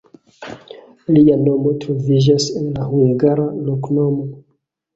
Lia nomo troviĝas en la hungara loknomo.